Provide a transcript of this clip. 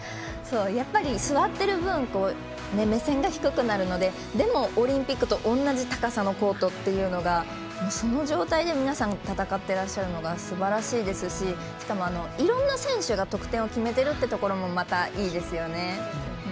座っている分目線が低くなるのででも、オリンピックと同じ高さのコートというのがその状態で皆さんも戦ってらっしゃるのがすばらしいですし、しかもいろんな選手が得点を決めてるっていうのもいいですよね。